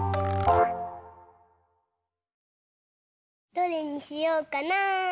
どれにしようかな。